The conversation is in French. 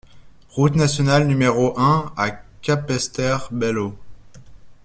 Route Nationale N° un à Capesterre-Belle-Eau